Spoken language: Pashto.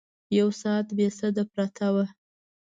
یو ساعت بې سده پرته وه.